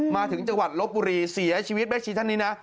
มาถึงจังหวัดลบบุรีเสียชีวิตแม่ชีท่านนี้นะ